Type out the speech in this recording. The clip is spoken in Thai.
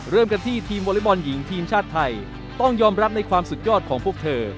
เริ่มกันที่ทีมวอเล็กบอลหญิงทีมชาติไทยต้องยอมรับในความสุดยอดของพวกเธอ